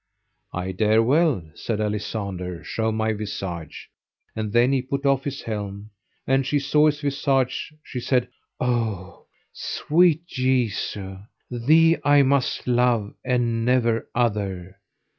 I dare well, said Alisander, show my visage. And then he put off his helm; and she saw his visage, she said: O sweet Jesu, thee I must love, and never other.